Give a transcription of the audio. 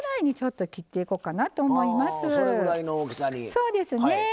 そうですね。